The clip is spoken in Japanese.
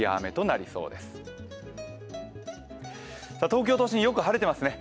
東京都心、よく晴れてますね